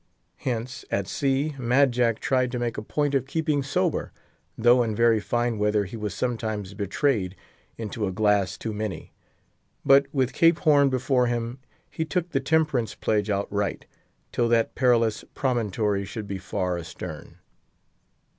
Hence, at sea, Mad Jack tried to make a point of keeping sober, though in very fine weather he was sometimes betrayed into a glass too many. But with Cape Horn before him, he took the temperance pledge outright, till that perilous promontory should be far astern.